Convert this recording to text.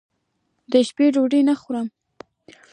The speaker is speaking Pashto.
دشپې ډوډۍ نه خورم